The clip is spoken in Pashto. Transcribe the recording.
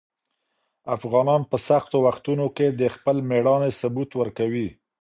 افغانان په سختو وختونو کې د خپل مېړانې ثبوت ورکوي.